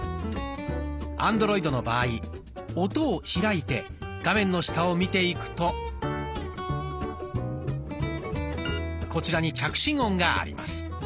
アンドロイドの場合「音」を開いて画面の下を見ていくとこちらに「着信音」があります。